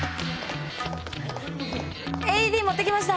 ＡＥＤ持ってきました！